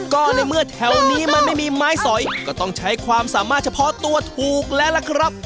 ก็ในเมื่อแถวนี้มันไม่มีไม้สอยก็ต้องใช้ความสามารถเฉพาะตัวถูกแล้วล่ะครับ